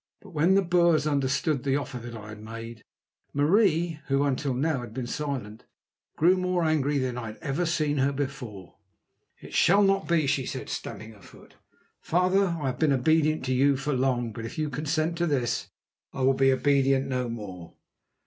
But when the Boers understood the offer that I had made, Marie, who until now had been silent, grew more angry than ever I had seen her before. "It shall not be!" she said, stamping her foot. "Father, I have been obedient to you for long, but if you consent to this I will be obedient no more.